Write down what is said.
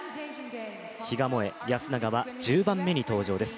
比嘉もえ、安永は１０番目に登場です